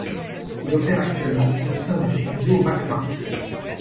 Il opère actuellement au sein du studio Makma.